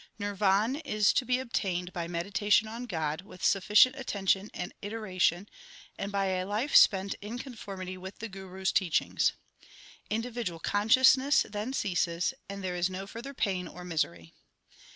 Nirvan is to be obtained by meditation on God, with sufficient attention and iteration, and by a life spent in conformity with the Guru s teachings. Individual con sciousness then ceases, and there is no further pain or misery.